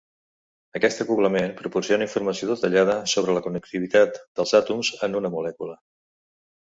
Aquest acoblament proporciona informació detallada sobre la connectivitat dels àtoms en una molècula.